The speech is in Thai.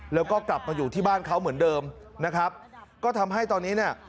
แล้วก็กลับมาอยู่ที่บ้านเขาเหมือนเดิมนะครับก็ทำให้ตอนนี้เนี่ย